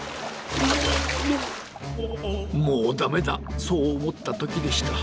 もうダメだそうおもったときでした。